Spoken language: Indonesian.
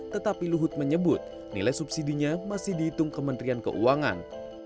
tetapi luhut menyebut nilai subsidinya masih dihitung kementerian keuangan